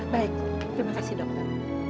baik terima kasih dokter